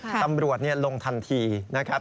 ตำรวจลงทันทีนะครับ